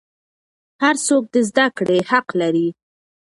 هر څوک د زده کړې حق لري.